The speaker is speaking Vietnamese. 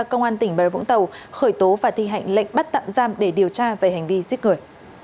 công an tỉnh bờ vũng tàu khởi tố và thi hạnh lệnh bắt tạm giam để điều tra về hành vi giết người